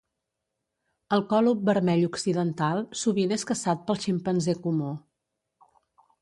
El còlob vermell occidental sovint és caçat pel ximpanzé comú.